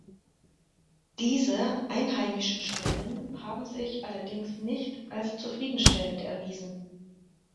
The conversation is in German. Diese einheimischen Schwellen haben sich allerdings nicht als zufriedenstellend erwiesen.